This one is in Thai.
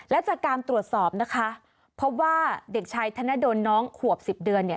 และจากการตรวจสอบนะคะพบว่าเด็กชายธนดลน้องขวบ๑๐เดือนเนี่ย